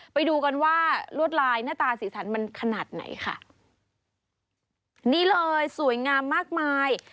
ไปดูกันว่าลวดลายหน้าตาสีสันมันขนาดไหนคะ